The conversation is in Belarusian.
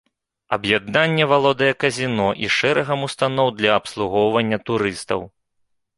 Аб'яднанне валодае казіно і шэрагам устаноў для абслугоўвання турыстаў.